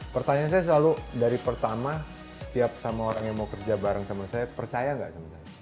pertanyaan saya selalu dari pertama setiap sama orang yang mau kerja bareng sama saya percaya nggak sama saya